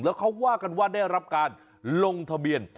แล้วเขาว่ากันว่าได้รับการลงทะเบียน